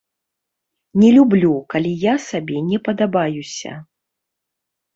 Не люблю, калі я сабе не падабаюся.